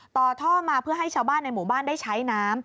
ต่อท่อมาเพื่อให้ชาวบ้านในหมู่บ้านได้ใช้น้ำ